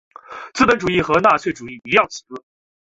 资本主义跟纳粹主义一样邪恶。